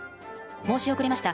申し遅れました。